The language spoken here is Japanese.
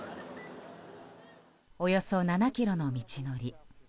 およそ７ｋｍの道のり。